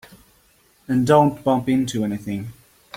And don't bump into anything.